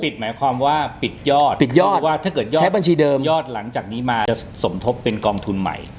หมายความว่าปิดยอดปิดยอดว่าถ้าเกิดยอดใช้บัญชีเดิมยอดหลังจากนี้มาจะสมทบเป็นกองทุนใหม่